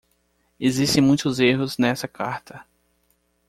Existem muitos erros nessa carta.